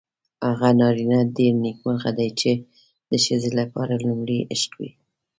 هغه نارینه ډېر نېکمرغه دی چې د ښځې لپاره لومړی عشق وي.